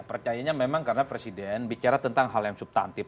percayanya memang karena presiden bicara tentang hal yang subtantif